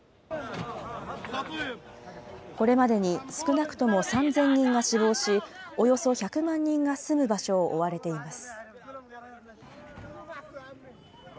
これまでに少なくとも３０００人が死亡し、およそ１００万人が住む場所を追われています。